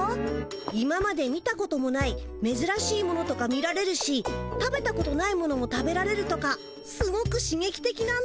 今まで見たこともないめずらしいものとか見られるし食べたことないものも食べられるとかすごくしげきてきなんだよね。